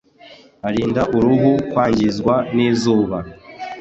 arinda uruhu kwangizwa n’izuba